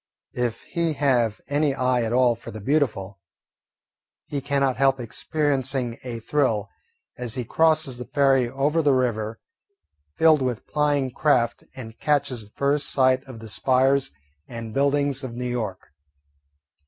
If he have any eye at all for the beautiful, he cannot help experiencing a thrill as he crosses the ferry over the river filled with plying craft and catches the first sight of the spires and buildings of New York.